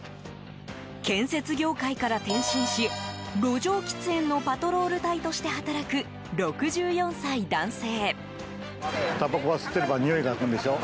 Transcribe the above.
建設業界から転身し路上喫煙のパトロール隊として働く６４歳男性。